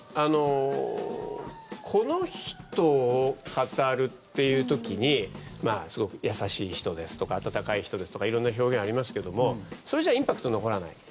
この人を語るという時にすごく優しい人ですとか温かい人ですとか色んな表現がありますけどそれじゃあインパクトが残らない。